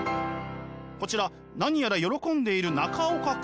こちら何やら喜んでいる中岡君！